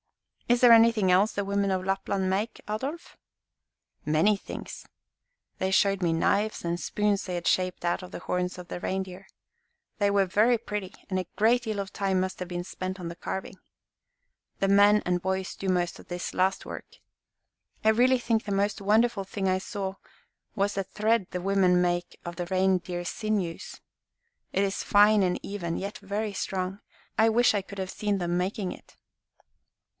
"Is there anything else the women of Lapland make, Adolf?" "Many things. They showed me knives and spoons they had shaped out of the horns of the reindeer. They were very pretty, and a great deal of time must have been spent on the carving. The men and boys do most of this last work. I really think the most wonderful thing I saw was the thread the women make of the reindeer sinews. It is fine and even, yet very strong. I wish I could have seen them making it."